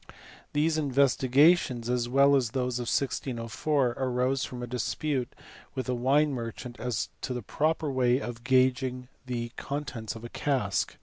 These investigations as well as those of 1604 arose from a dispute with a wine merchant as to the proper way of gauging the contents of a cask.